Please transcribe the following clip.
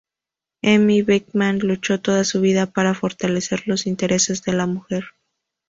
Emmy Beckmann luchó toda su vida para fortalecer los intereses de la mujer.